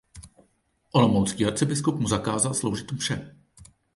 Olomoucký arcibiskup mu zakázal sloužit mše.